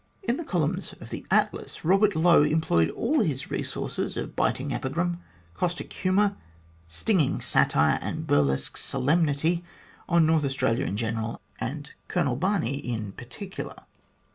In the columns of the Atlas, Eobert Lowe employed all his resources of biting epigram, caustic humour, stinging satire, and burlesque solemnity on North Australia in general, and Colonel Barney in particular.